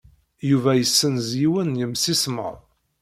Yuba yessenz yiwen n yemsismeḍ.